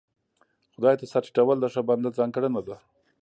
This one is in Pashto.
خدای ته سر ټيټول د ښه بنده ځانګړنه ده.